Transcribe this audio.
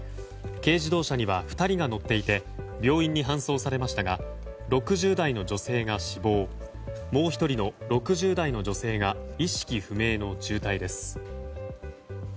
軽自動車には２人が乗っていて病院に搬送されましたが６０代の女性が死亡もう１人の６０代の女性が意識不明の重体です。